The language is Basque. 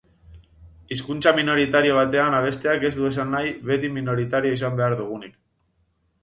Hizkuntza minoritario batean abesteak ez du esan nahi beti minoritario izan behar dugunik.